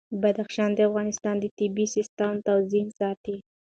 بدخشان د افغانستان د طبعي سیسټم توازن ساتي.